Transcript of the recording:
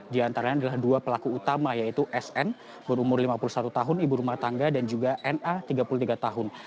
di antaranya adalah dua pelaku utama yaitu sn berumur lima puluh satu tahun ibu rumah tangga dan juga na tiga puluh tiga tahun